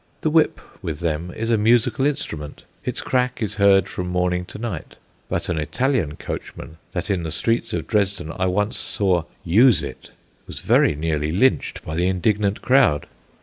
The whip with them is a musical instrument; its crack is heard from morning to night, but an Italian coachman that in the streets of Dresden I once saw use it was very nearly lynched by the indignant crowd.